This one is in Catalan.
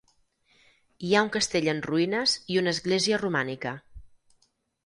Hi ha un castell en ruïnes i una església romànica.